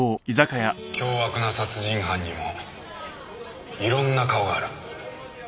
凶悪な殺人犯にもいろんな顔がある。